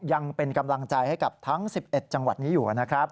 ยังเป็นกำลังใจให้กับทั้ง๑๑จังหวัดนี้อยู่นะครับ